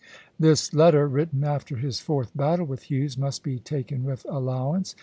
This letter, written after his fourth battle with Hughes, must be taken with allowance.